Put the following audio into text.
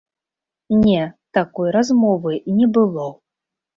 Не, такой размовы не было.